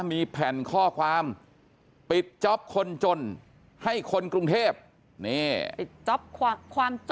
มีแผ่นข้อความปิดจ๊อปคนจนให้คนกรุงเทพนี่ปิดจ๊อปความ